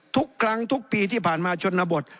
ทุกครั้งทุกปีที่ผ่านมาชนบท